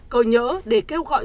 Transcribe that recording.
cầu nhỡ để kêu gọi